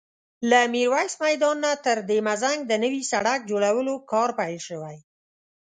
له ميرويس میدان نه تر دهمزنګ د نوي سړک جوړولو کار پیل شوی